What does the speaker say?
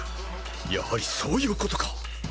やはりそういうことか！